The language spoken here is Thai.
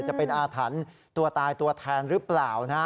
จะเป็นอาถรรพ์ตัวตายตัวแทนรึเปล่า